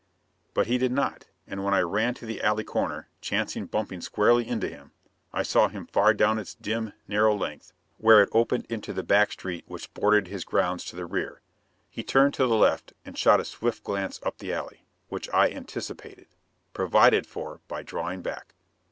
But he did not; and when I ran to the alley corner chancing bumping squarely into him I saw him far down its dim, narrow length where it opened into the back street which bordered his grounds to the rear. He turned to the left and shot a swift glance up the alley, which I anticipated, provided for by drawing back.